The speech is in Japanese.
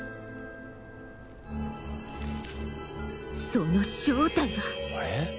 その正体は。